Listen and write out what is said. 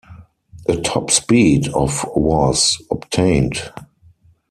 A top speed of was obtained.